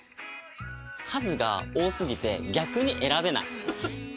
数が多過ぎて逆に選べない。